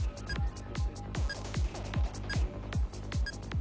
え？